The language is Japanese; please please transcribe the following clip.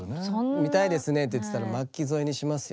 「見たいですね」って言ってたら巻き添えにしますよ。